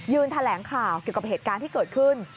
แถลงข่าวเกี่ยวกับเหตุการณ์ที่เกิดขึ้น